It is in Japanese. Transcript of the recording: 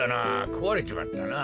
こわれちまったなぁ。